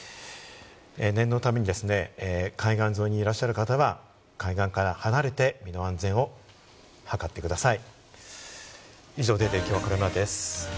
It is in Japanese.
念のために海岸沿いにいらっしゃる方は、海岸から離れて身の安全をはかってください。